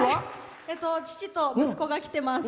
父と息子が来てます。